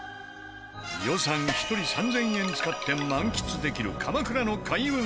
予算１人３０００円使って満喫できる鎌倉の開運スポット。